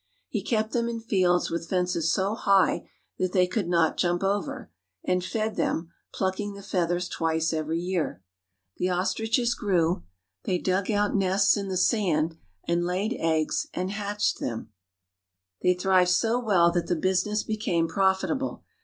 He kept them in fields with fences so high that they could not jump over, and fed them, plucking the feathers twice every year. The ostriches grew, they A VISIT TO AN OSTRICH FARM 289 [ dug out nests in the sand, and laid eggs and hatched ■ them. They thrived so well that the business became profit able.